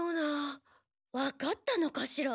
わかったのかしら。